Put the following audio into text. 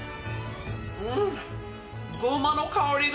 うん！